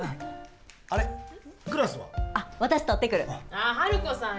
あら、ハルコさん